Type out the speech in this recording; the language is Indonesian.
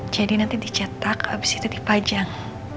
jadi nanti dicetak abis itu dipajang